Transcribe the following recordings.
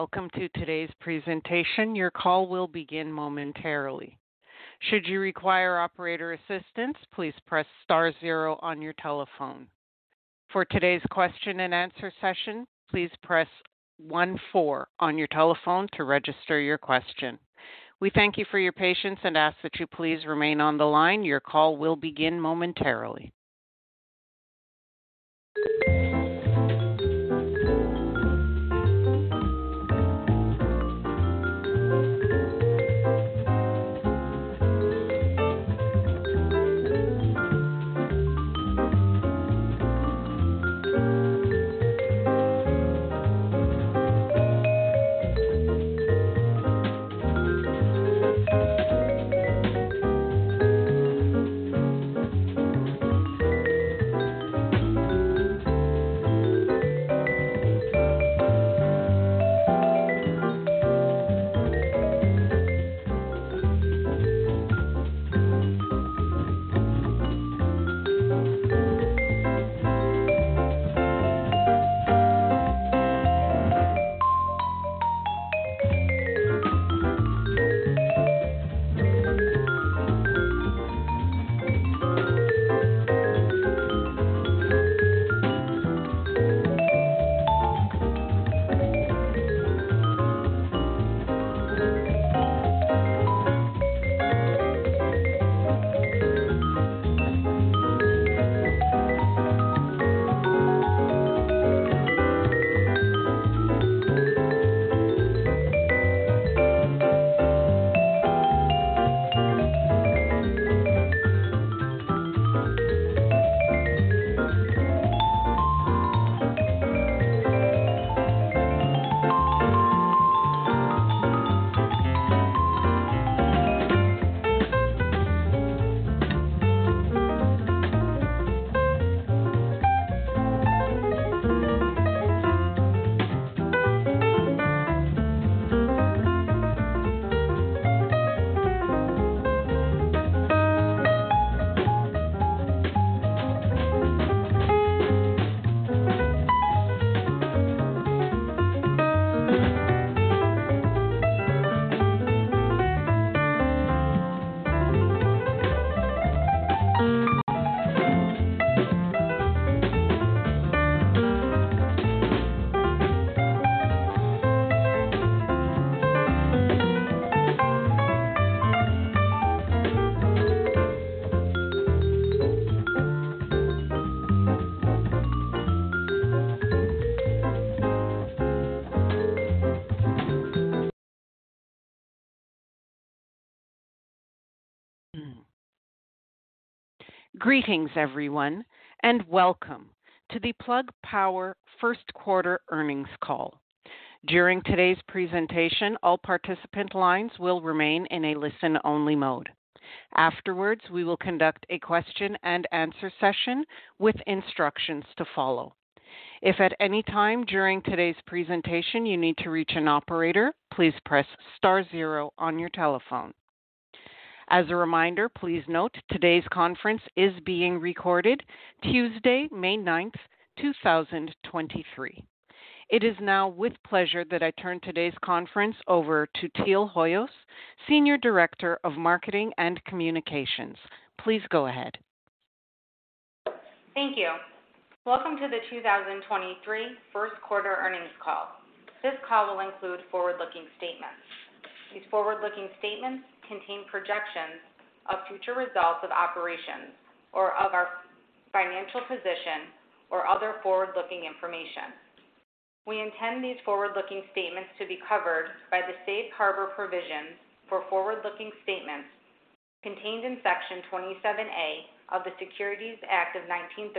Welcome to today's presentation. Your call will begin momentarily. Should you require operator assistance, please press star zero on your telephone. For today's question and answer session, please press one four on your telephone to register your question. We thank you for your patience and ask that you please remain on the line. Your call will begin momentarily. Greetings, everyone, and welcome to the Plug Power first quarter earnings call. During today's presentation, all participant lines will remain in a listen-only mode. Afterwards, we will conduct a question and answer session with instructions to follow. If at any time during today's presentation you need to reach an operator, please press star zero on your telephone. As a reminder, please note today's conference is being recorded Tuesday, May 9, 2023. It is now with pleasure that I turn today's conference over to Teal Hoyos, Senior Director of Marketing and Communications. Please go ahead. Thank you. Welcome to the 2023 first quarter earnings call. This call will include forward-looking statements. These forward-looking statements contain projections of future results of operations or of our financial position or other forward-looking information. We intend these forward-looking statements to be covered by the Safe Harbor provisions for forward-looking statements contained in Section 27A of the Securities Act of 1933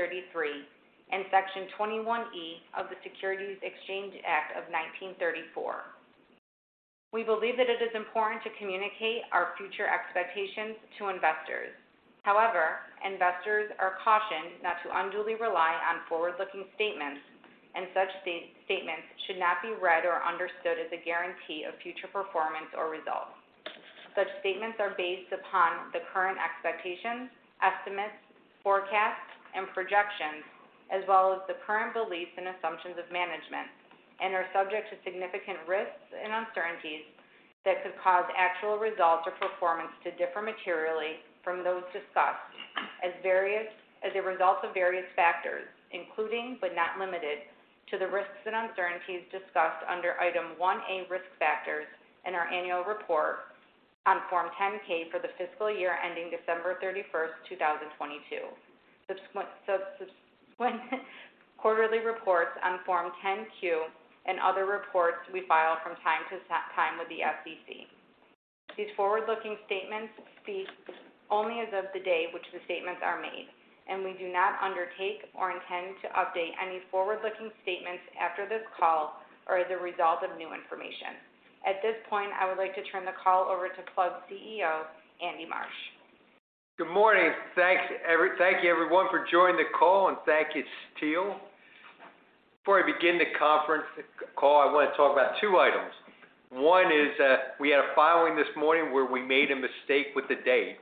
and Section 21E of the Securities Exchange Act of 1934. We believe that it is important to communicate our future expectations to investors. However, investors are cautioned not to unduly rely on forward-looking statements, and such statements should not be read or understood as a guarantee of future performance or results. Such statements are based upon the current expectations, estimates, forecasts, and projections, as well as the current beliefs and assumptions of management, and are subject to significant risks and uncertainties that could cause actual results or performance to differ materially from those discussed as a result of various factors, including but not limited to the risks and uncertainties discussed under Item 1A, Risk Factors in our annual report on Form 10-K for the fiscal year ending December 31, 2022. Subsequent quarterly reports on Form 10-Q and other reports we file from time to time with the SEC. These forward-looking statements speak only as of the day which the statements are made, and we do not undertake or intend to update any forward-looking statements after this call or as a result of new information. At this point, I would like to turn the call over to Plug CEO, Andy Marsh. Good morning. Thanks, thank you, everyone, for joining the call and thank you, Teal. Before I begin the conference call, I want to talk about two items. One is that we had a filing this morning where we made a mistake with the date.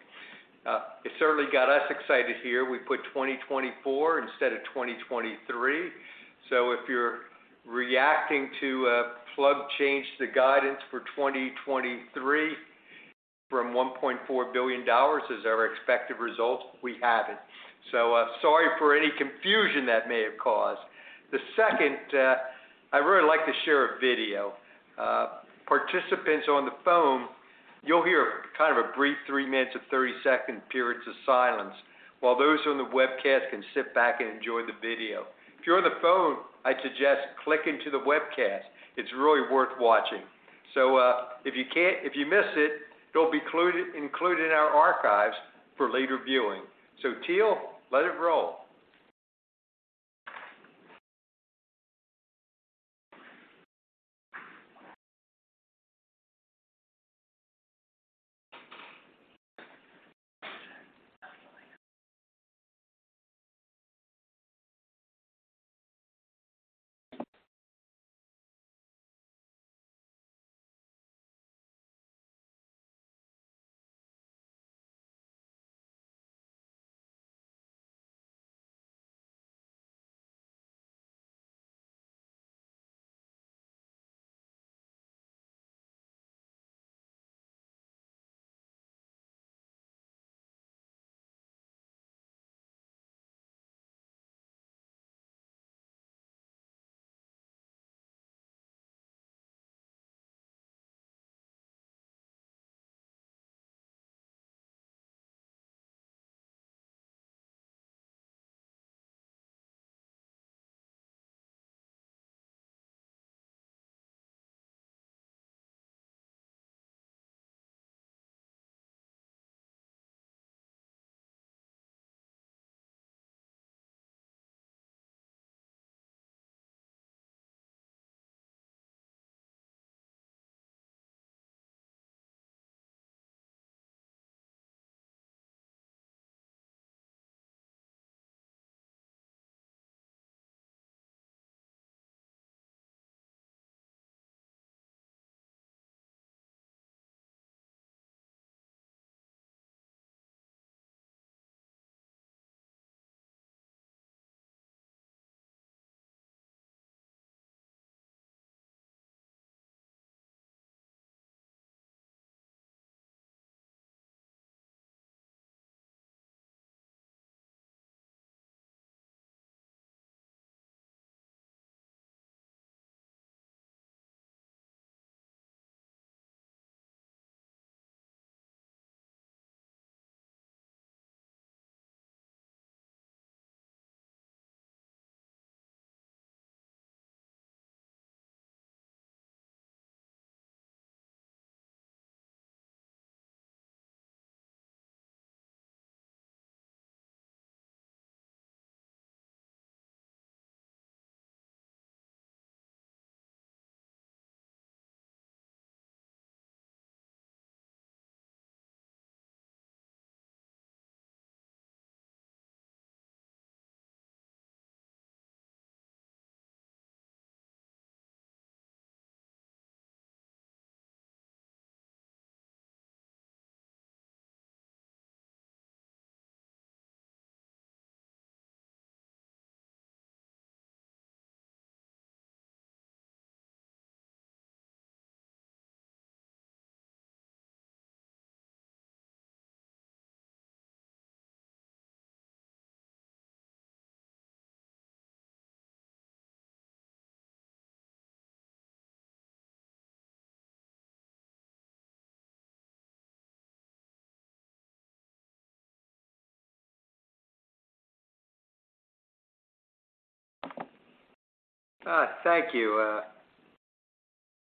Thank you.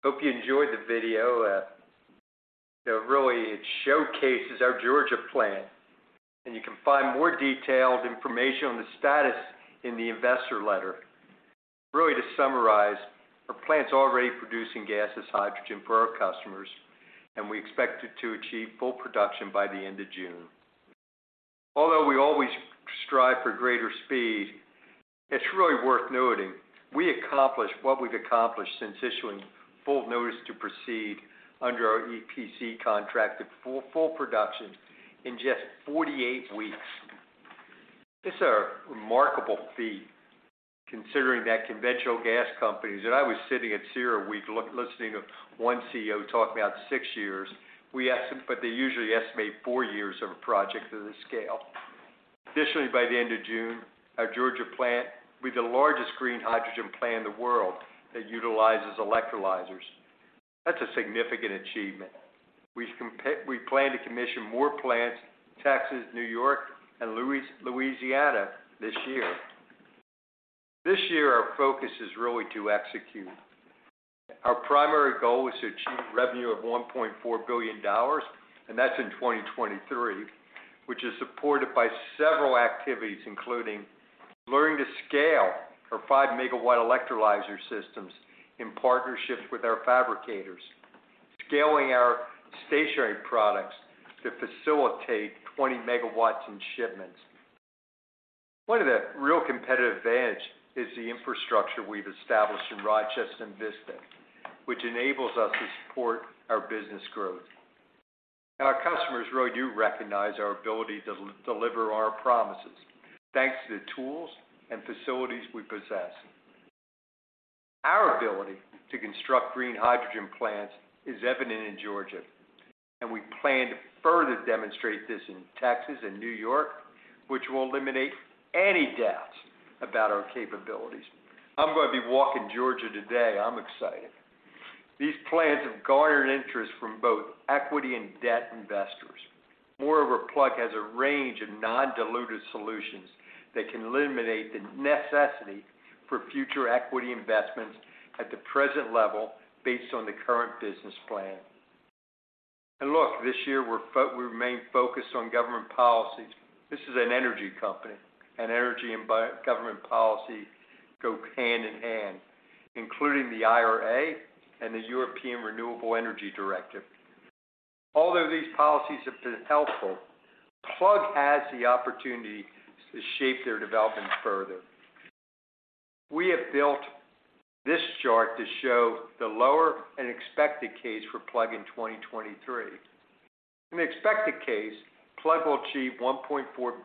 Hope you enjoyed the video. It really showcases our Georgia plant, and you can find more detailed information on the status in the investor letter. Really to summarize, our plant's already producing gases hydrogen for our customers, and we expect it to achieve full production by the end of June. Although we always strive for greater speed, it's really worth noting we accomplished what we've accomplished since issuing full notice to proceed under our EPC contract to full production in just 48 weeks. This is a remarkable feat considering that conventional gas companies, I was sitting at CERAWeek listening to one CEO talk about six years. They usually estimate four years of a project of this scale. Additionally, by the end of June, our Georgia plant will be the largest green hydrogen plant in the world that utilizes electrolyzers. That's a significant achievement. We plan to commission more plants, Texas, New York, and Louisiana this year. This year, our focus is really to execute. Our primary goal is to achieve revenue of $1.4 billion, and that's in 2023, which is supported by several activities, including learning to scale our 5 MW electrolyzer systems in partnerships with our fabricators, scaling our stationary products to facilitate 20 MW in shipments. One of the real competitive edge is the infrastructure we've established in Rochester and Vista, which enables us to support our business growth. Our customers really do recognize our ability to deliver our promises thanks to the tools and facilities we possess. Our ability to construct green hydrogen plants is evident in Georgia, and we plan to further demonstrate this in Texas and New York, which will eliminate any doubts about our capabilities. I'm gonna be walking Georgia today. I'm excited. These plans have garnered interest from both equity and debt investors. Moreover, Plug has a range of non-dilutive solutions that can eliminate the necessity for future equity investments at the present level, based on the current business plan. Look, this year we remain focused on government policies. This is an energy company, and energy and government policy go hand in hand, including the IRA and the European Renewable Energy Directive. Although these policies have been helpful, Plug has the opportunity to shape their development further. We have built this chart to show the lower and expected case for Plug in 2023. In the expected case, Plug will achieve $1.4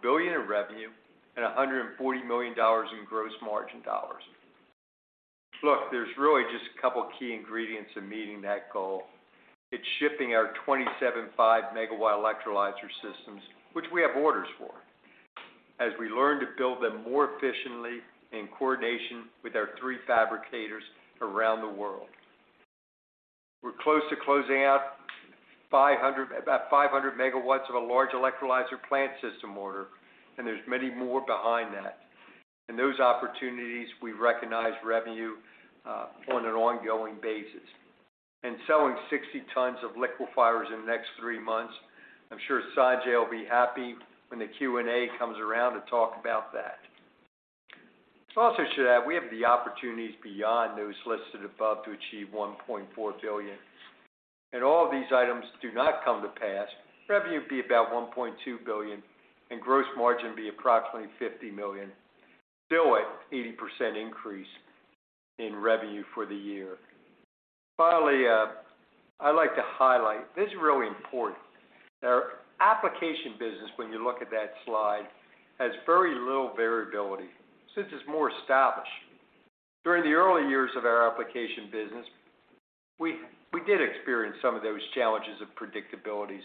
billion in revenue and $140 million in gross margin dollars. Look, there's really just a couple key ingredients in meeting that goal. It's shipping our 27 MW electrolyzer systems, which we have orders for, as we learn to build them more efficiently in coordination with our three fabricators around the world. We're close to closing out about 500 MW of a large electrolyzer plant system order, and there's many more behind that. In those opportunities, we recognize revenue on an ongoing basis. Selling 60 tons of liquefiers in the next three months. I'm sure Sanjay will be happy when the Q&A comes around to talk about that. Also to that, we have the opportunities beyond those listed above to achieve $1.4 billion. If all of these items do not come to pass, revenue would be about $1.2 billion and gross margin be approximately $50 million, still at 80% increase in revenue for the year. Finally, I'd like to highlight, this is really important. Our application business, when you look at that slide, has very little variability since it's more established. During the early years of our application business, we did experience some of those challenges of predictabilities,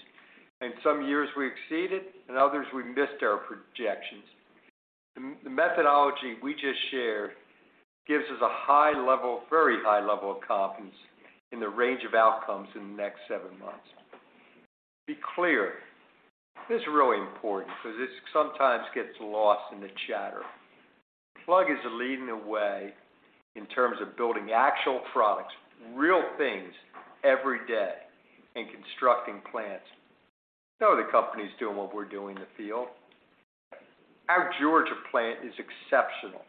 and some years we exceeded and others we missed our projections. The methodology we just shared gives us a high level, very high level of confidence in the range of outcomes in the next seven months. Be clear, this is really important because this sometimes gets lost in the chatter. Plug is leading the way in terms of building actual products, real things every day, and constructing plants. No other company is doing what we're doing in the field. Our Georgia plant is exceptional,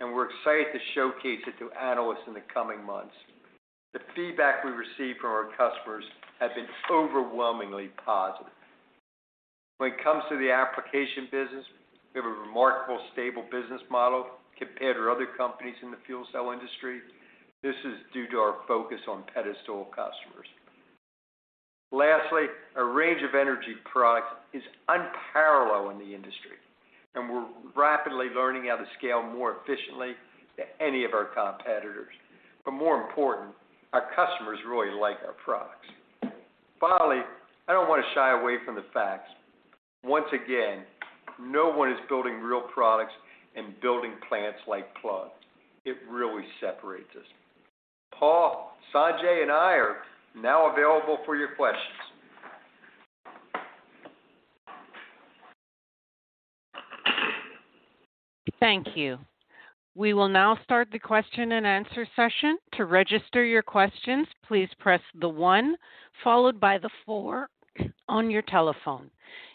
and we're excited to showcase it to analysts in the coming months. The feedback we receive from our customers has been overwhelmingly positive. When it comes to the application business, we have a remarkable stable business model compared to other companies in the fuel cell industry. This is due to our focus on pedestal customers. Lastly, our range of energy products is unparalleled in the industry, and we're rapidly learning how to scale more efficiently than any of our competitors. More important, our customers really like our products. Finally, I don't want to shy away from the facts. Once again, no one is building real products and building plants like Plug. It really separates us. Paul, Sanjay and I are now available for your questions. Thank you. We will now start the question and answer session. To register your questions, please press the one followed by the four on your telephone.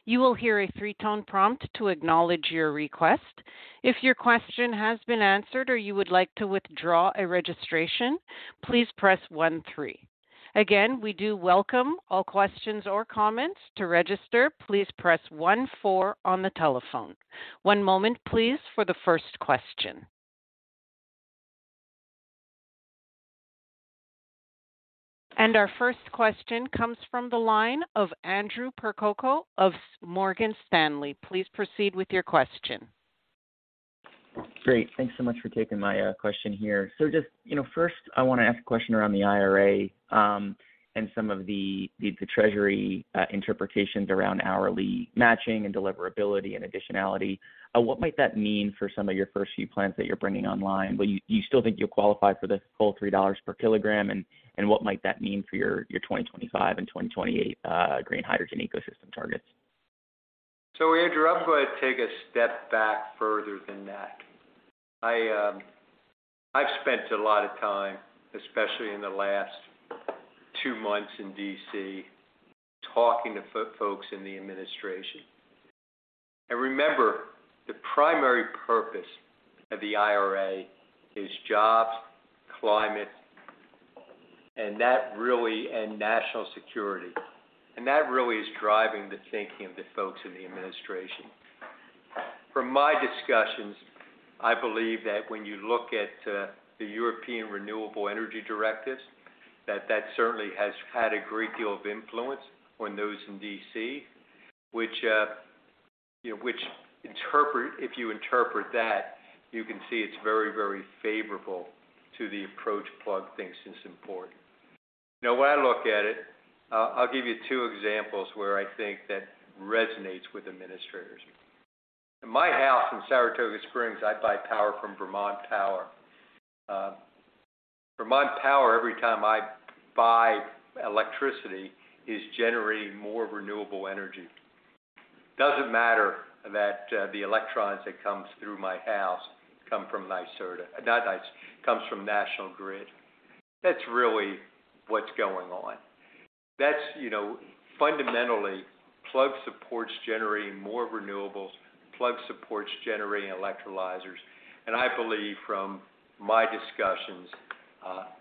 You will hear a three-tone prompt to acknowledge your request. If your question has been answered or you would like to withdraw a registration, please press one three. Again, we do welcome all questions or comments. To register, please press one four on the telephone. One moment, please, for the first question. Our first question comes from the line of Andrew Percoco of Morgan Stanley. Please proceed with your question. Great. Thanks so much for taking my question here. Just, you know, first I wanna ask a question around the IRA and some of the treasury interpretations around hourly matching and deliverability and additionality. What might that mean for some of your first few plans that you're bringing online? You still think you'll qualify for the full $3 per kilogram, and what might that mean for your 2025 and 2028 green hydrogen ecosystem targets? Andrew, I've spent a lot of time, especially in the last two months in D.C., talking to folks in the administration. Remember, the primary purpose of the IRA is jobs, climate, and national security. That really is driving the thinking of the folks in the administration. From my discussions, I believe that when you look at the European Renewable Energy Directive, that certainly has had a great deal of influence on those in D.C., which, you know, if you interpret that, you can see it's very, very favorable to the approach Plug thinks is important. You know, when I look at it, I'll give you two examples where I think that resonates with administrators. In my house in Saratoga Springs, I buy power from Green Mountain Power. Vermont Power, every time I buy electricity, is generating more renewable energy. Doesn't matter that the electrons that comes through my house come from NYSERDA, comes from National Grid. That's really what's going on. That's, you know, fundamentally, Plug supports generating more renewables. Plug supports generating electrolyzers. I believe from my discussions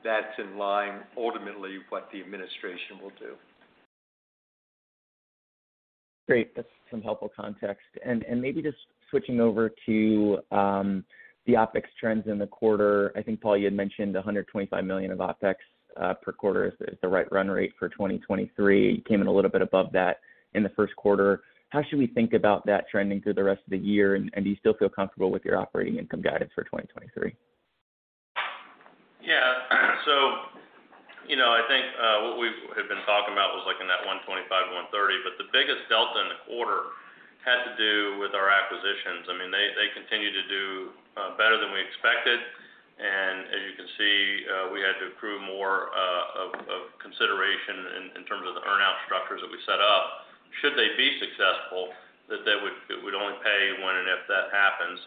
that's in line ultimately what the administration will do. Great. That's some helpful context. Maybe just switching over to the OpEx trends in the quarter. I think, Paul, you had mentioned $125 million of OpEx per quarter is the right run rate for 2023. You came in a little bit above that in the first quarter. How should we think about that trending through the rest of the year? Do you still feel comfortable with your operating income guidance for 2023? You know, I think what we had been talking about was like in that $125 million-$130 million, but the biggest delta in the quarter had to do with our acquisitions. I mean, they continue to do better than we expected. As you can see, we had to accrue more of consideration in terms of the earn-out structures that we set up. Should they be successful, it would only pay when and if that happens.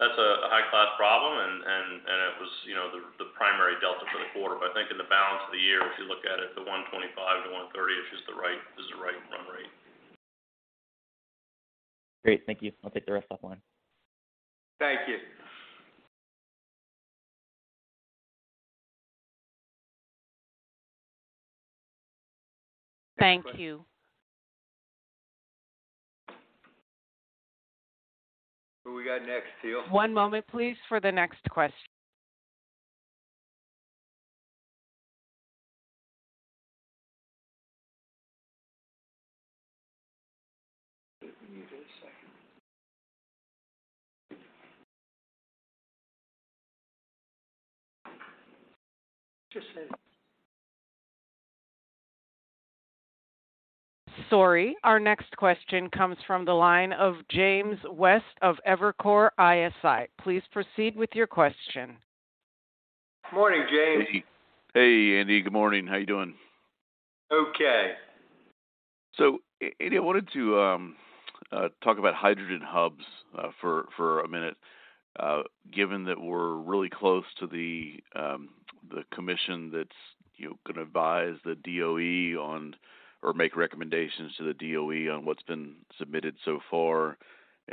That's a high-class problem and it was, you know, the primary delta for the quarter. I think in the balance of the year, if you look at it, the $125 million-$130 million is just the right run rate. Great. Thank you. I'll take the rest offline. Thank you. Thank you. Who we got next, Teal? One moment please for the next question. Mute a second. Sorry. Our next question comes from the line of James West of Evercore ISI. Please proceed with your question. Morning, James. Hey, Andy. Good morning. How you doing? Okay. Andy, I wanted to talk about hydrogen hubs for a minute. Given that we're really close to the commission that's, you know, gonna advise the DOE on or make recommendations to the DOE on what's been submitted so far,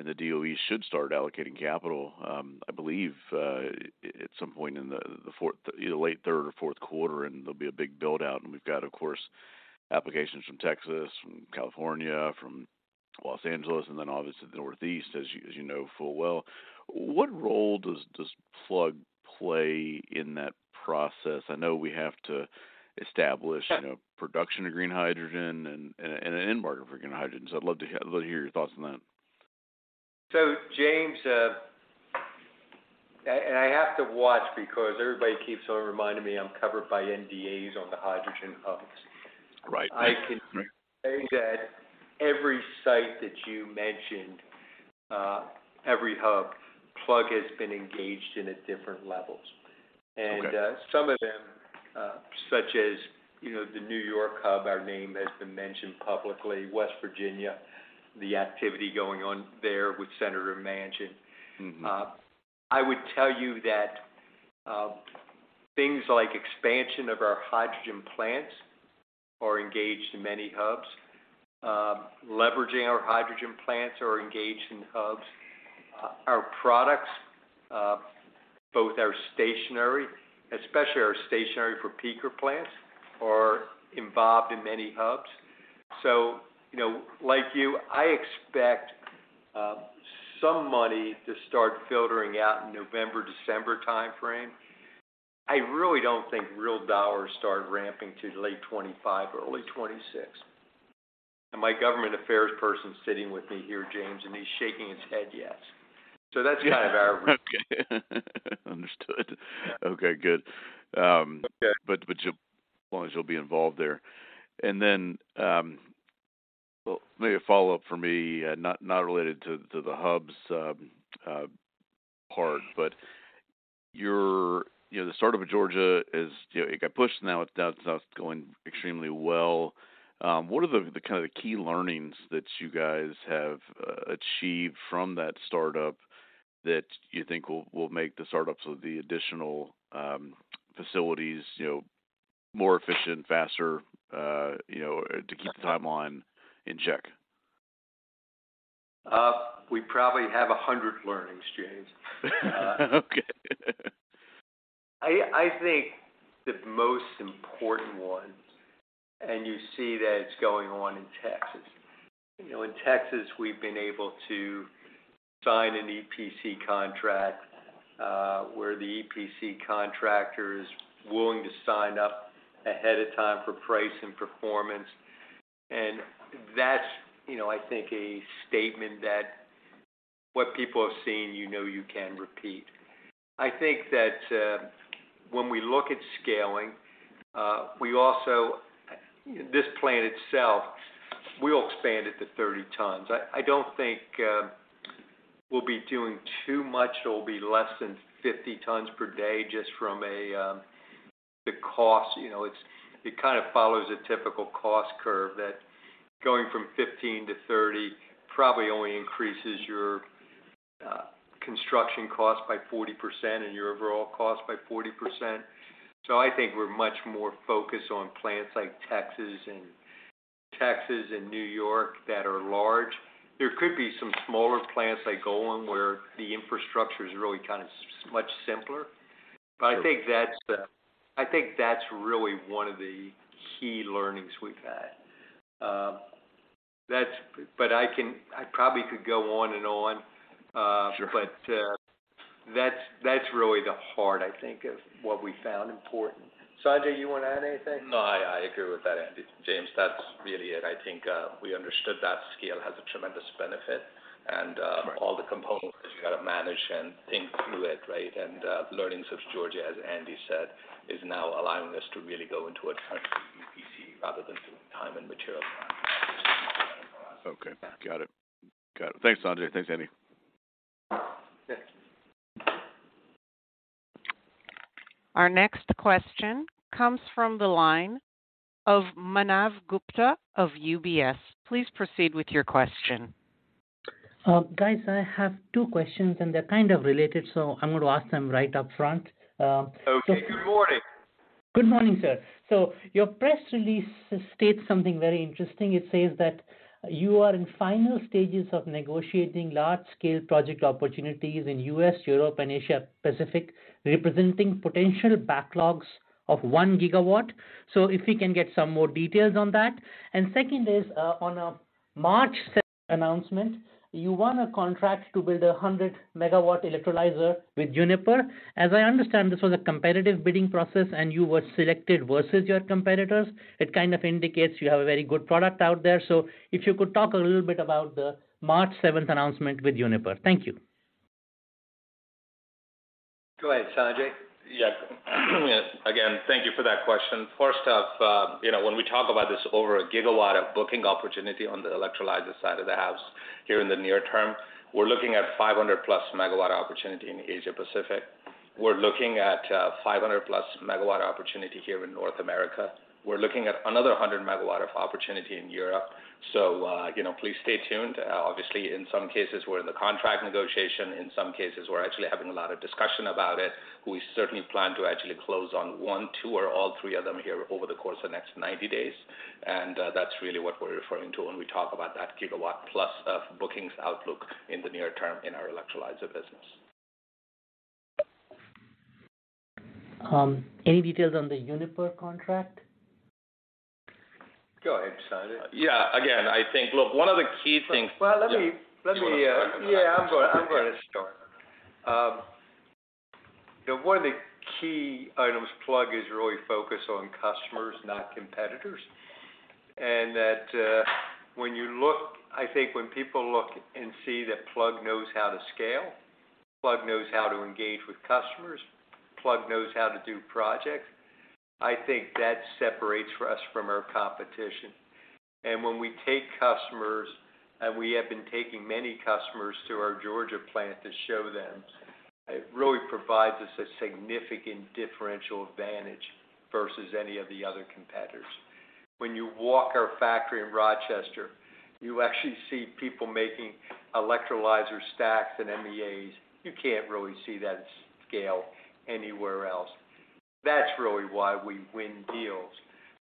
the DOE should start allocating capital, I believe, at some point in the late third or fourth quarter, and there'll be a big build-out. We've got, of course, applications from Texas, from California, from Los Angeles, and then obviously the Northeast, as you know full well. What role does Plug play in that process? I know we have to establish, you know, production of green hydrogen and an end market for green hydrogen, so I'd love to hear your thoughts on that. James, and I have to watch because everybody keeps on reminding me I'm covered by NDAs on the hydrogen hubs. Right. I can say that every site that you mentioned, every hub, Plug has been engaged in at different levels. Okay. Some of them, such as, you know, the New York hub, our name has been mentioned publicly, West Virginia, the activity going on there with Senator Manchin. Mm-hmm. I would tell you that things like expansion of our hydrogen plants are engaged in many hubs. Leveraging our hydrogen plants are engaged in hubs. Our products, both our stationary, especially our stationary for peaker plants, are involved in many hubs. You know, like you, I expect some money to start filtering out in November, December timeframe. I really don't think real dollars start ramping till late 2025 or early 2026. My government affairs person sitting with me here, James, and he's shaking his head yes. That's kind of our Okay. Understood. Okay, good. Okay. You as long as you'll be involved there. Then, well, maybe a follow-up for me, not related to the hubs, part, but your. You know, the startup of Georgia is, you know, it got pushed now. It's going extremely well. What are the kind of the key learnings that you guys have achieved from that startup that you think will make the startups of the additional facilities, you know, more efficient, faster, you know, to keep the timeline in check? we probably have 100 learnings, James. Okay. I think the most important one, you see that it's going on in Texas. You know, in Texas, we've been able to sign an EPC contract where the EPC contractor is willing to sign up ahead of time for price and performance. That's, you know, I think a statement that what people have seen, you know you can repeat. I think that when we look at scaling, this plant itself, we'll expand it to 30 tons. I don't think we'll be doing too much. It'll be less than 50 tons per day just from a, the cost. You know, it kind of follows a typical cost curve that going from 15-30 probably only increases your construction cost by 40% and your overall cost by 40%. I think we're much more focused on plants like Texas and New York that are large. There could be some smaller plants like Golem where the infrastructure is really kind of much simpler. I think that's really one of the key learnings we've had. I probably could go on and on. Sure. That's really the heart, I think, of what we found important. Sanjay, you wanna add anything? No, I agree with that, Andy. James, that's really it. I think we understood that scale has a tremendous benefit and. Right... all the components you gotta manage and think through it, right? Learnings of Georgia, as Andy said, is now allowing us to really go into a turnkey EPC rather than time and material contract. Okay. Got it. Got it. Thanks, Sanjay. Thanks, Andy. Thank you. Our next question comes from the line of Manav Gupta of UBS. Please proceed with your question. guys, I have two questions, and they're kind of related, so I'm gonna ask them right up front. Okay. Good morning. Good morning, sir. Your press release states something very interesting. It says that you are in final stages of negotiating large-scale project opportunities in U.S., Europe, and Asia Pacific, representing potential backlogs of 1 GW. If we can get some more details on that. Second is, on a March announcement, you won a contract to build a 100 MW electrolyzer with Uniper. As I understand, this was a competitive bidding process, and you were selected versus your competitors. It kind of indicates you have a very good product out there. If you could talk a little bit about the March 7 announcement with Uniper. Thank you. Go ahead, Sanjay. Yes. Yes. Again, thank you for that question. First off, you know, when we talk about this over 1 GW of booking opportunity on the electrolyzer side of the house here in the near term, we're looking at 500+ MW opportunity in Asia Pacific. We're looking at 500+ MW opportunity here in North America. We're looking at another 100 MW of opportunity in Europe. You know, please stay tuned. Obviously, in some cases, we're in the contract negotiation. In some cases, we're actually having a lot of discussion about it. We certainly plan to actually close on one, two, or all three of them here over the course of the next 90 days. That's really what we're referring to when we talk about that gigawatt+ of bookings outlook in the near term in our electrolyzer business. Any details on the Uniper contract? Go ahead, Sanjay. Yeah. Again, I think... Look, one of the key things- Well, let me- You wanna talk about it? Yeah, I'm gonna start. You know, one of the key items, Plug is really focused on customers, not competitors. That, when people look and see that Plug knows how to scale, Plug knows how to engage with customers, Plug knows how to do projects, I think that separates us from our competition. When we take customers, and we have been taking many customers to our Georgia plant to show them, it really provides us a significant differential advantage versus any of the other competitors. When you walk our factory in Rochester, you actually see people making electrolyzer stacks and MEAs. You can't really see that scale anywhere else. That's really why we win deals.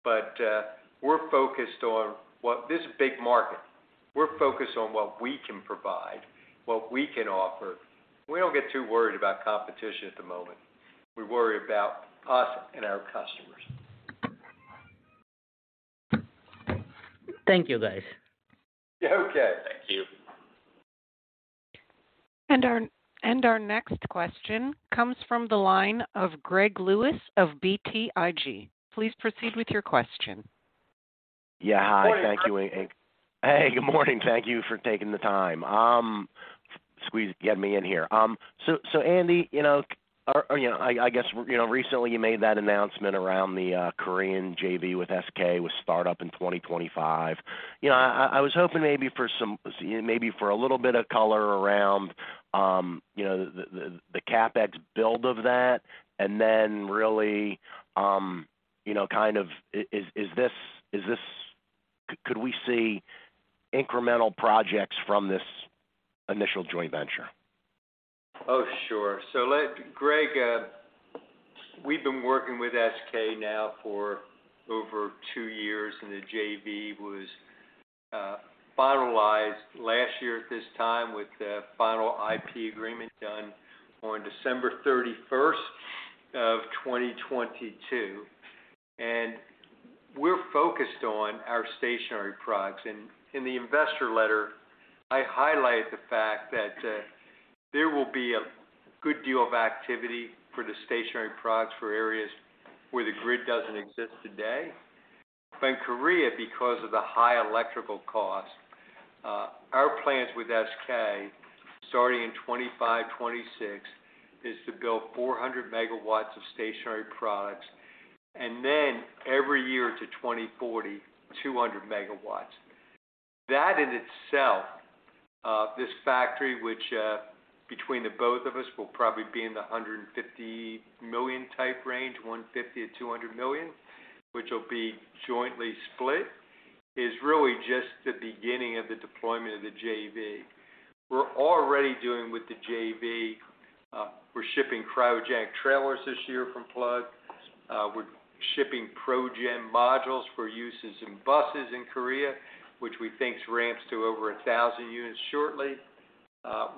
We're focused on what this big market. We're focused on what we can provide, what we can offer. We don't get too worried about competition at the moment. We worry about us and our customers. Thank you, guys. Okay. Thank you. Our next question comes from the line of Greg Lewis of BTIG. Please proceed with your question. Yeah. Hi. Thank you. Morning, Greg. Hey. Good morning. Thank you for taking the time to get me in here. Andy, you know, or, you know, I guess, you know, recently you made that announcement around the Korean JV with SK with startup in 2025. You know, I was hoping maybe for some, you know, maybe for a little bit of color around, you know, the CapEx build of that and then really, you know, kind of is this, could we see incremental projects from this initial joint venture? Sure. Greg, we've been working with SK now for over two years, the JV was finalized last year at this time with the final IP agreement done on December 31, 2022. We're focused on our stationary products. In the investor letter, I highlight the fact that there will be a good deal of activity for the stationary products for areas where the grid doesn't exist today. In Korea, because of the high electrical cost, our plans with SK, starting in 2025, 2026, is to build 400 MW of stationary products and then every year to 2040, 200 MW. In itself, this factory, which, between the both of us will probably be in the $150 million type range, $150 million-$200 million, which will be jointly split, is really just the beginning of the deployment of the JV. We're already doing with the JV, we're shipping cryogenic trailers this year from Plug. We're shipping ProGen modules for uses in buses in Korea, which we think ramps to over 1,000 units shortly.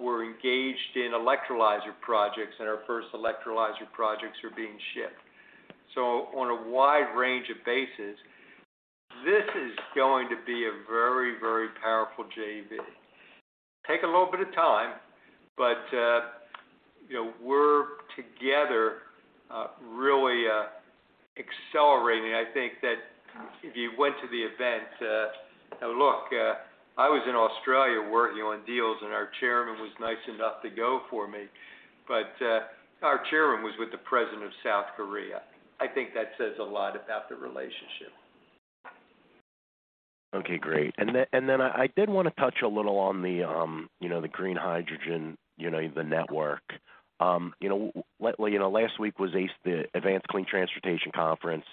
We're engaged in electrolyzer projects, and our first electrolyzer projects are being shipped. On a wide range of bases, this is going to be a very, very powerful JV. Take a little bit of time, but, you know, we're together, really, accelerating. I think that if you went to the event... Look, I was in Australia working on deals, and our chairman was nice enough to go for me, but our chairman was with the president of South Korea. I think that says a lot about the relationship. Okay, great. I did wanna touch a little on the, you know, the green hydrogen, you know, the network. You know, last week was ACT, the Advanced Clean Transportation conference.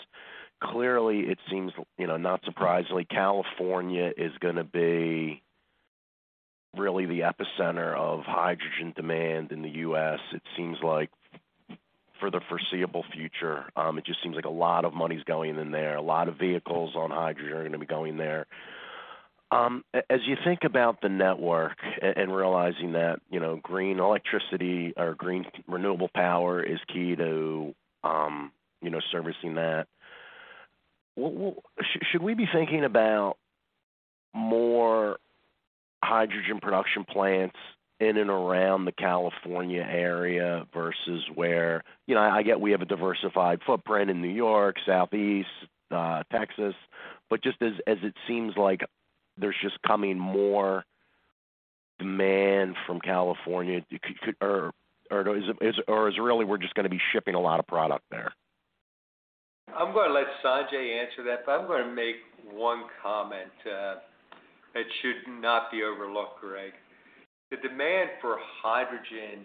Clearly, it seems, you know, not surprisingly, California is gonna be really the epicenter of hydrogen demand in the U.S., it seems like for the foreseeable future. It just seems like a lot of money's going in there. A lot of vehicles on hydrogen are gonna be going there. As you think about the network and realizing that, you know, green electricity or green renewable power is key to, you know, servicing that, should we be thinking about more hydrogen production plants in and around the California area versus where... You know, I get we have a diversified footprint in New York, Southeast, Texas, but just as it seems like there's just coming more demand from California, could or is it or is it really we're just gonna be shipping a lot of product there? I'm gonna let Sanjay answer that, but I'm gonna make one comment, that should not be overlooked, Greg. The demand for hydrogen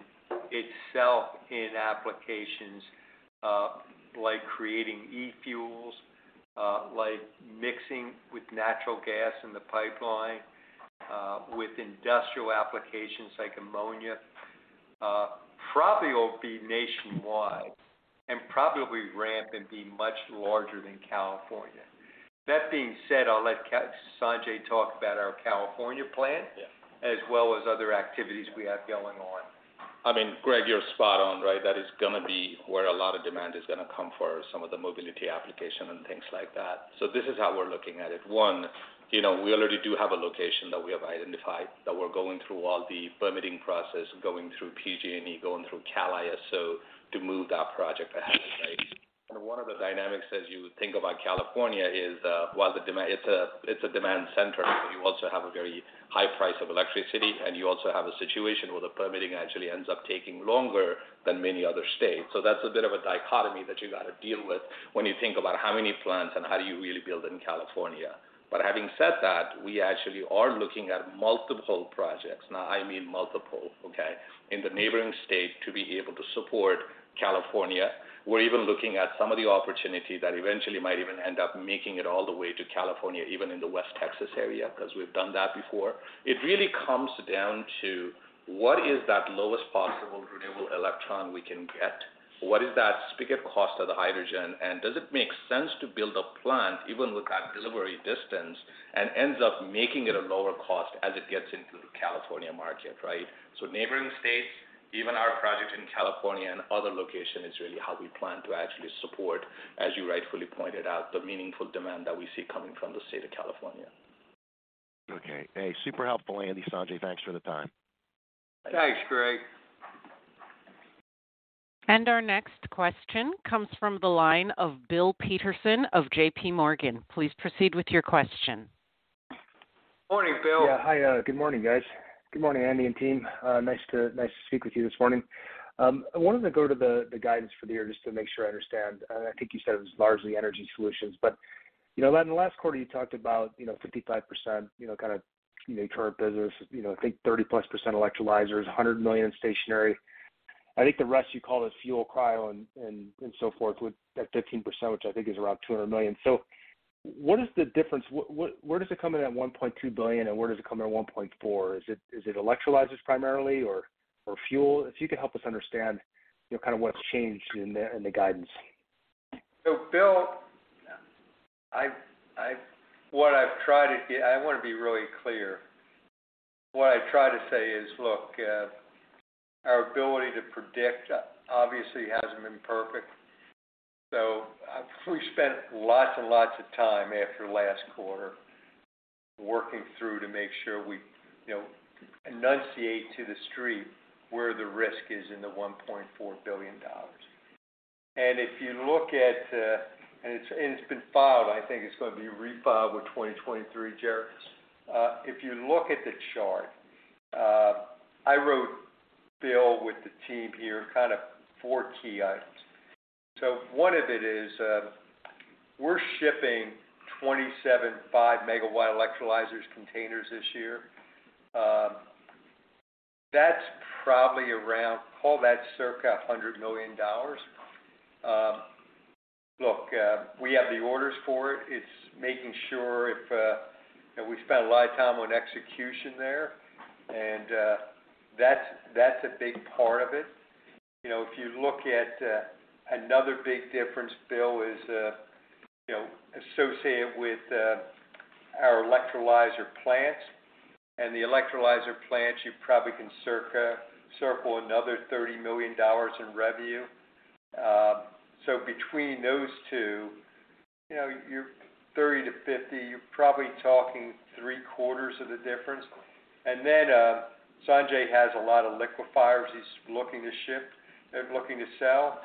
itself in applications, like creating e-fuels, like mixing with natural gas in the pipeline, with industrial applications like ammonia, probably will be nationwide and probably ramp and be much larger than California. That being said, I'll let Sanjay talk about our California plan. Yeah. Other activities we have going on. I mean, Greg, you're spot on, right? That is gonna be where a lot of demand is gonna come for some of the mobility application and things like that. This is how we're looking at it. One, you know, we already do have a location that we have identified, that we're going through all the permitting process, going through PG&E, going through CAISO to move that project ahead, right? One of the dynamics as you think about California is, while it's a demand center, but you also have a very high price of electricity, and you also have a situation where the permitting actually ends up taking longer than many other states. That's a bit of a dichotomy that you gotta deal with when you think about how many plants and how do you really build in California. Having said that, we actually are looking at multiple projects. I mean multiple, okay? In the neighboring state to be able to support California. We're even looking at some of the opportunity that eventually might even end up making it all the way to California, even in the West Texas area, 'cause we've done that before. It really comes down to what is that lowest possible renewable electron we can get? What is that spigot cost of the hydrogen? Does it make sense to build a plant even with that delivery distance and ends up making it a lower cost as it gets into the California market, right? Neighboring states, even our project in California and other location is really how we plan to actually support, as you rightfully pointed out, the meaningful demand that we see coming from the state of California. Okay. Hey, super helpful, Andy, Sanjay, thanks for the time. Thanks, Greg. Our next question comes from the line of Bill Peterson of J.P. Morgan. Please proceed with your question. Morning, Bill. Yeah. Hi. Good morning, guys. Good morning, Andy and team. Nice to speak with you this morning. I wanted to go to the guidance for the year, just to make sure I understand. I think you said it was largely energy solutions, but, you know, in the last quarter, you talked about, you know, 55%, you know, kinda current business. You know, I think 30%+ electrolyzers, $100 million in stationary. I think the rest you call it fuel cryo and so forth with that 13%, which I think is around $200 million. What is the difference? Where does it come in at $1.2 billion, and where does it come in at $1.4 billion? Is it electrolyzers primarily or fuel? If you could help us understand, you know, kind of what's changed in the, in the guidance? Bill, I want to be really clear. What I try to say is, look, our ability to predict obviously hasn't been perfect. We've spent lots and lots of time after last quarter working through to make sure we, you know, enunciate to the street where the risk is in the $1.4 billion. If you look at, and it's been filed. I think it's going to be refiled with 2023, Jared. If you look at the chart, I wrote, Bill, with the team here, kind of four key items. One of it is, we're shipping 27 5 MW electrolyzers containers this year. That's probably around, call that circa $100 million. Look, we have the orders for it. It's making sure if. You know, we've spent a lot of time on execution there, and that's a big part of it. You know, if you look at another big difference, Bill, is, you know, associated with our electrolyzer plants. The electrolyzer plants, you probably can circa-circle another $30 million in revenue. Between those two, you know, you're $30-$50. You're probably talking three-quarters of the difference. Sanjay has a lot of liquefiers he's looking to ship and looking to sell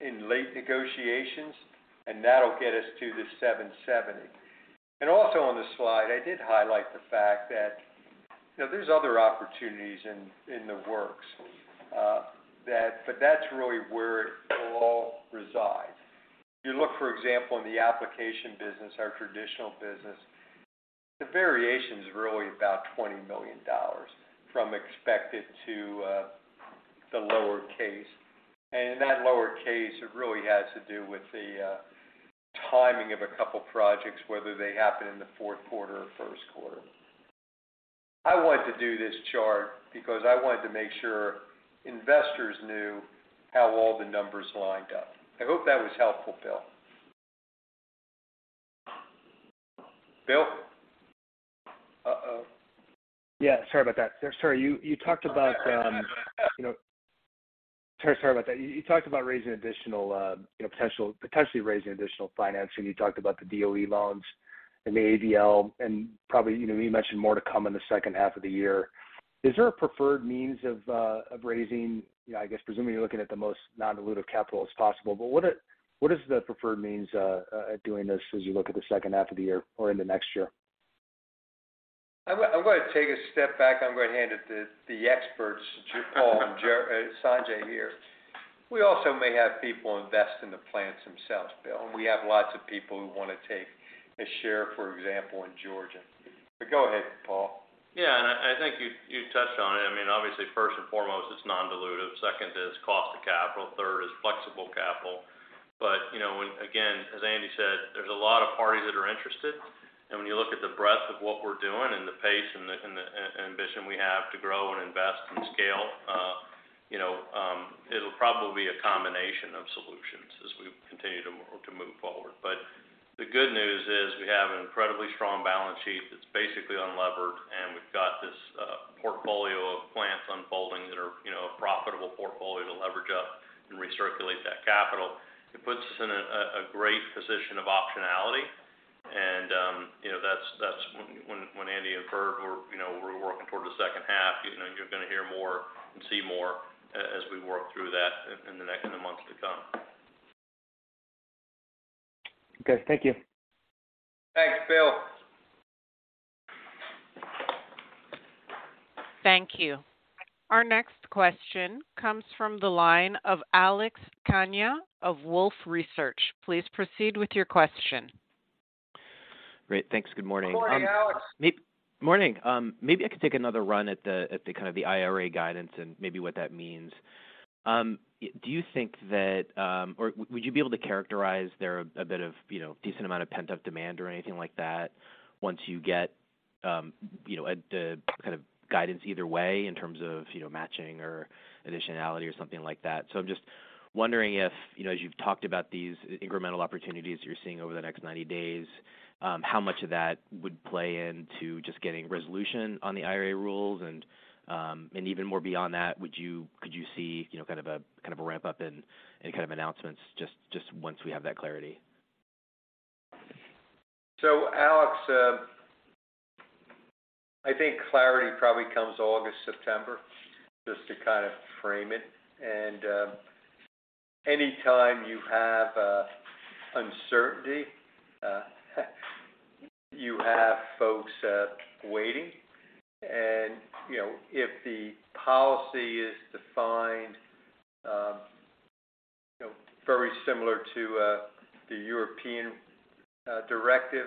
in late negotiations, and that'll get us to the $770. Also on the slide, I did highlight the fact that, you know, there's other opportunities in the works. That's really where it will all reside. If you look, for example, in the application business, our traditional business, the variation's really about $20 million from expected to the lower case. In that lower case, it really has to do with the timing of a couple projects, whether they happen in the fourth quarter or first quarter. I wanted to do this chart because I wanted to make sure investors knew how all the numbers lined up. I hope that was helpful, Bill. Bill? Uh-oh. Yeah, sorry about that. Sorry about that. You talked about raising additional, you know, potentially raising additional financing. You talked about the DOE loans and the ABL and probably, you know, you mentioned more to come in the second half of the year. Is there a preferred means of raising... You know, I guess presumably you're looking at the most non-dilutive capital as possible. What is the preferred means at doing this as you look at the second half of the year or into next year? I'm gonna take a step back. I'm gonna hand it to the experts, Paul and Sanjay here. We also may have people invest in the plants themselves, Bill. We have lots of people who wanna take a share, for example, in Georgia. Go ahead, Paul. I think you touched on it. I mean, obviously, first and foremost, it's non-dilutive. Second is cost of capital. Third is flexible capital. You know, when... Again, as Andy said, there's a lot of parties that are interested. When you look at the breadth of what we're doing and the pace and the, and the ambition we have to grow and invest and scale, you know, it'll probably be a combination of solutions as we continue to move forward. The good news is we have an incredibly strong balance sheet that's basically unlevered, and we've got this portfolio of plants unfolding that are, you know, a profitable portfolio to leverage up and recirculate that capital. It puts us in a great position of optionality. you know, that's when Andy referred we're, you know, we're working toward the second half. You know, you're gonna hear more and see more as we work through that in the months to come. Okay, thank you. Thanks, Bill. Thank you. Our next question comes from the line of Alex Kania of Wolfe Research. Please proceed with your question. Great. Thanks. Good morning. Good morning, Alex. Morning. Maybe I could take another run at the kind of the IRA guidance and maybe what that means. Or would you be able to characterize, there a bit of, you know, decent amount of pent-up demand or anything like that once you get, you know, the kind of guidance either way in terms of, you know, matching or additionality or something like that? I'm just wondering if, you know, as you've talked about these incremental opportunities you're seeing over the next 90 days, how much of that would play into just getting resolution on the IRA rules? Even more beyond that, could you see, you know, kind of a ramp-up in kind of announcements just once we have that clarity? Alex, I think clarity probably comes August, September, just to kind of frame it. Any time you have uncertainty, you have folks waiting. You know, if the policy is defined. Similar to the European Directive,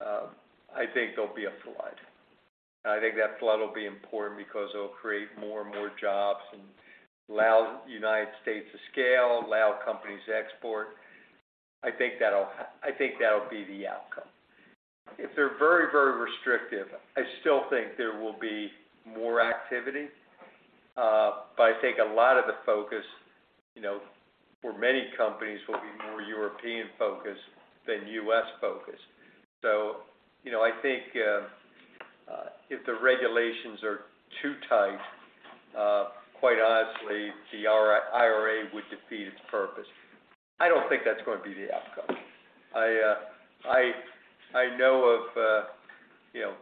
I think there'll be a flood. I think that flood will be important because it'll create more and more jobs and allow United States to scale, allow companies to export. I think that'll be the outcome. If they're very, very restrictive, I still think there will be more activity. I think a lot of the focus, you know, for many companies will be more European-focused than US-focused. You know, I think, if the regulations are too tight, quite honestly, the IRA would defeat its purpose. I don't think that's going to be the outcome. I know of, you know,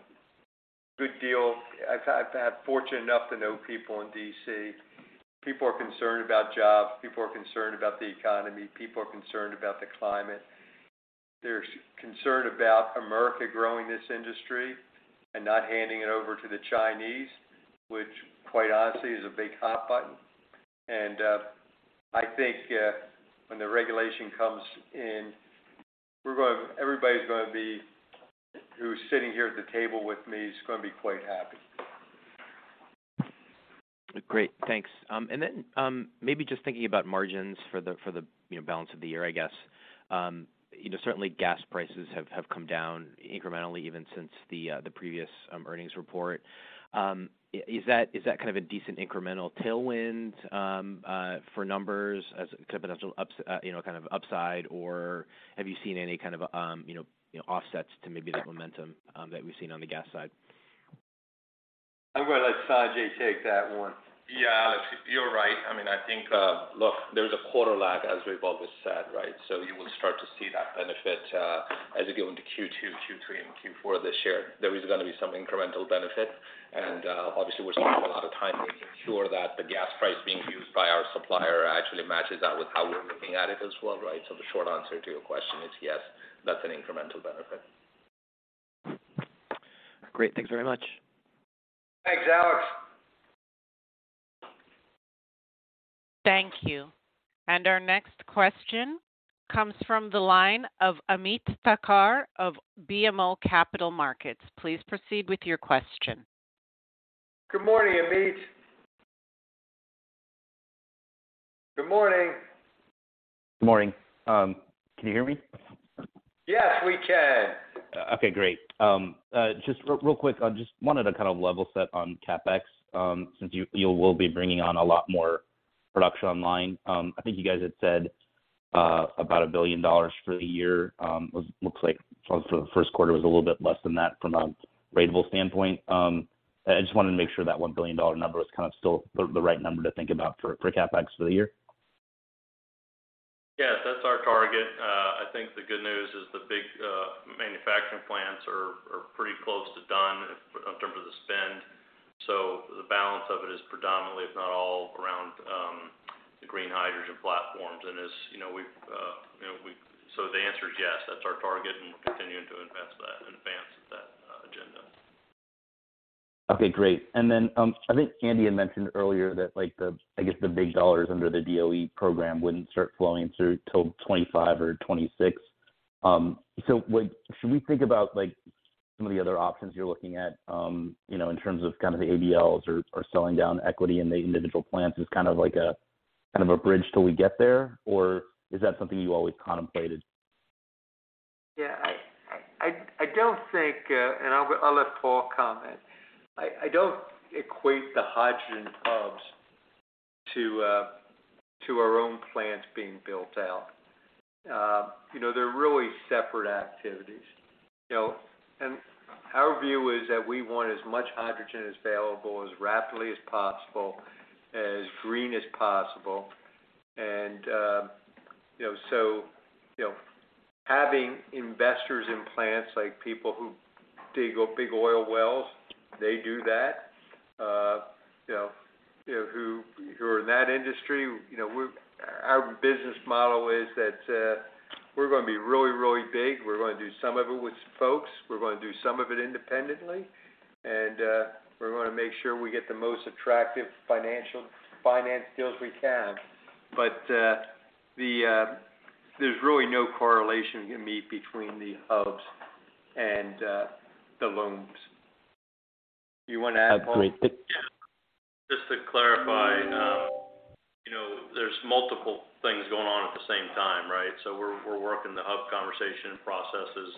good deal. I've had fortunate enough to know people in D.C. People are concerned about jobs, people are concerned about the economy, people are concerned about the climate. There's concern about America growing this industry and not handing it over to the Chinese, which quite honestly is a big hot button. I think, when the regulation comes in, everybody's gonna be who's sitting here at the table with me is gonna be quite happy. Great. Thanks. Maybe just thinking about margins for the, you know, balance of the year, I guess. You know, certainly gas prices have come down incrementally even since the previous earnings report. Is that, is that kind of a decent incremental tailwind for numbers as kind of an upside? Have you seen any kind of, you know, offsets to maybe the momentum that we've seen on the gas side? I'm gonna let Sanjay take that one. Yeah. You're right. I mean, I think, look, there's a quarter lag, as Sanjay was said, right? You will start to see that benefit as we go into Q2, Q3, and Q4 this year. There is gonna be some incremental benefit. Obviously we're spending a lot of time making sure that the gas price being used by our supplier actually matches that with how we're looking at it as well, right? The short answer to your question is yes, that's an incremental benefit. Great. Thanks very much. Thanks, Alex. Thank you. Our next question comes from the line of Ameet Thakkar of BMO Capital Markets. Please proceed with your question. Good morning, Ameet. Good morning. Good morning. Can you hear me? Yes, we can. Okay, great. Just real quick, I just wanted to kind of level set on CapEx, since you will be bringing on a lot more production online. I think you guys had said about $1 billion for the year, looks like for the first quarter was a little bit less than that from a ratable standpoint. I just wanted to make sure that $1 billion number was kind of still the right number to think about for CapEx for the year. Yes, that's our target. I think the good news is the big manufacturing plants are pretty close to done in terms of the spend. The balance of it is predominantly, if not all, around the green hydrogen platforms. As you know, we've, you know, The answer is yes, that's our target, and we're continuing to advance that agenda. Okay, great. I think Andy had mentioned earlier that, like, the, I guess, the big dollars under the DOE program wouldn't start flowing through till 25 or 26. Should we think about, like, some of the other options you're looking at, you know, in terms of kind of the ABLs or selling down equity in the individual plants as kind of like a, kind of a bridge till we get there? Or is that something you always contemplated? Yeah. I don't think, and I'll let Paul comment. I don't equate the hydrogen hubs to our own plants being built out. You know, they're really separate activities. You know, our view is that we want as much hydrogen as available as rapidly as possible, as green as possible. You know, so, you know, having investors in plants, like people who dig big oil wells, they do that, you know, you know, who are in that industry. You know, our business model is that, we're gonna be really, really big. We're gonna do some of it with folks. We're gonna do some of it independently. We're gonna make sure we get the most attractive finance deals we can. There's really no correlation you can meet between the hubs and the loans. You wanna add, Paul? Just to clarify, you know, there's multiple things going on at the same time, right? We're working the hub conversation processes,